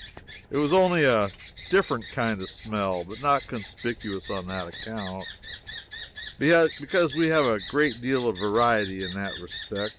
It was only a different kind of smell, but not conspicuous on that account, because we have a great deal of variety in that respect.